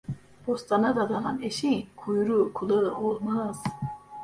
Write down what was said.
Bostana dadanan eşeğin kuyruğu, kulağı olmaz.